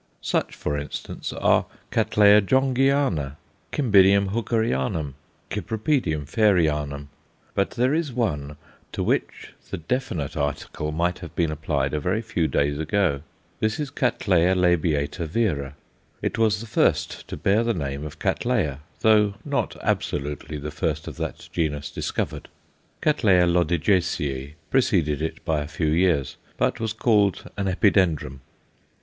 Such, for instance, are Cattleya Jongheana, Cymbidium Hookerianum, Cypripedium Fairianum. But there is one to which the definite article might have been applied a very few days ago. This is Cattleya labiata vera. It was the first to bear the name of Cattleya, though not absolutely the first of that genus discovered. C. Loddigesii preceded it by a few years, but was called an Epidendrum.